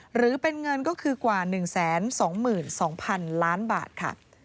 หรือเป็นเงินก็คือกว่า๑๒๒๐๐๐ล้านบาทค่ะ